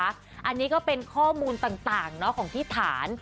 อันนี้ก็เป็นข้อมูลต่างของที่ฐาน